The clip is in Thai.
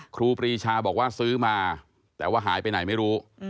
ครูปรีชาบอกว่าซื้อมาแต่ว่าหายไปไหนไม่รู้